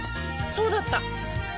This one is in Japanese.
そうだった！